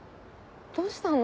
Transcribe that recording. どうしたの？